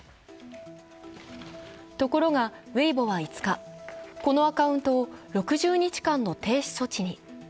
ところがＷｅｉｂｏは５日、このアカウントを６０日間の停止措置に。